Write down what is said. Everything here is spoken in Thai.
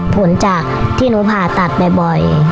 ผลจากที่หนูผ่าตัดบ่อย